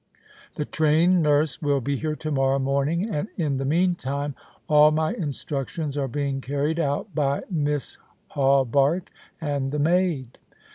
The trained nurse will be here to morrow morning — and in the mean time all my instructions are being carried out by Miss Hawberk and the maid."